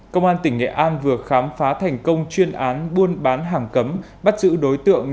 công an tỉnh nghệ an vừa khám phá thành công chuyên án buôn bán hàng cấm bắt giữ đối tượng